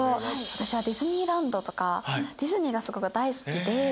私はディズニーランドとかディズニーがすごく大好きで。